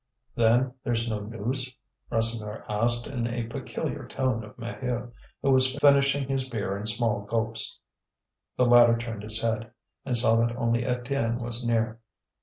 "Then, there's no news?" Rasseneur asked in a peculiar tone of Maheu, who was finishing his beer in small gulps. The latter turned his head, and saw that only Étienne was near.